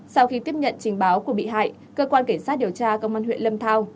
sau khi tiếp nhận trình báo của bị hại cơ quan cảnh sát điều tra công an huyện lâm thao